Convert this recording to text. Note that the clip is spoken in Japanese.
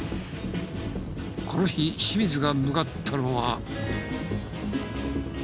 この日清水が向かったのは。